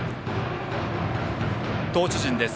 投手陣です。